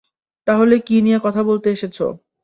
তাহলে কী নিয়ে কথা বলতে এসেছ।